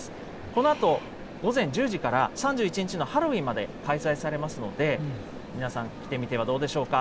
このあと、午前１０時から、３１日のハロウィーンまで開催されますので、皆さん、来てみてはどうでしょうか。